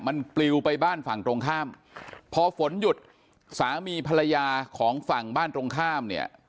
มันปลิวไปบ้านฝั่งตรงข้ามพอฝนหยุดสามีภรรยาของฝั่งบ้านตรงข้ามเนี่ย